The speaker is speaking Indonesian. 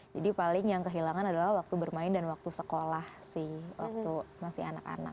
jadi paling yang kehilangan adalah waktu bermain dan waktu sekolah sih waktu masih anak anak